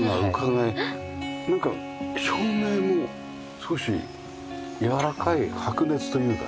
なんか照明も少しやわらかい白熱というかね。